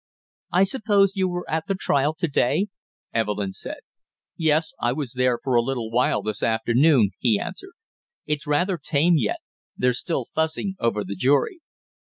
"I suppose you were at the trial to day?" Evelyn said. "Yes, I was there for a little while this afternoon," he answered. "It's rather tame yet, they're still fussing over the jury."